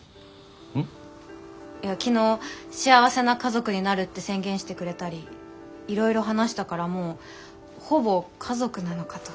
いや昨日幸せな家族になるって宣言してくれたりいろいろ話したからもうほぼ家族なのかと。